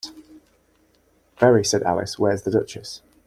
‘Very,’ said Alice: ‘—where’s the Duchess?’